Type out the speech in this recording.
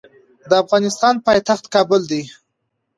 د افغانستان پایتخت کابل دي